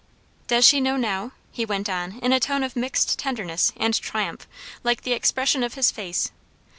"Does she know now?" he went on in a tone of mixed tenderness and triumph, like the expression of his face.